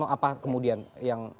apa kemudian yang